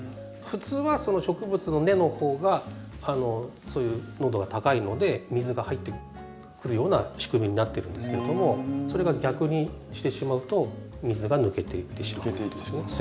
普通は植物の根の方がそういう濃度が高いので水が入ってくるような仕組みになってるんですけれどもそれが逆にしてしまうと水が抜けていってしまうんですね。